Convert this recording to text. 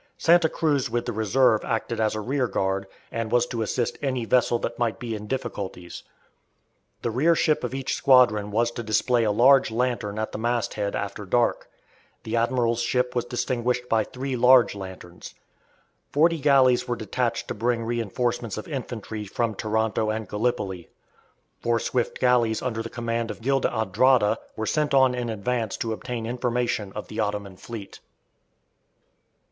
Santa Cruz with the reserve acted as a rearguard, and was to assist any vessel that might be in difficulties. The rear ship of each squadron was to display a large lantern at the mast head after dark. The admiral's ship was distinguished by three large lanterns. Forty galleys were detached to bring reinforcements of infantry from Taranto and Gallipoli. Four swift galleys under the command of Gil d'Andrada were sent on in advance to obtain information of the Ottoman fleet.